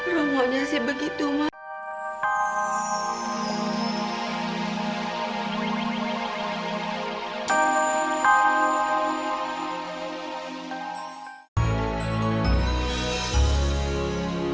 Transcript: roh mau nyasih begitu mak